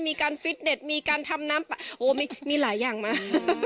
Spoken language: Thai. มีการฟิตเน็ตมีการทำน้ำโอ้มีหลายอย่างมา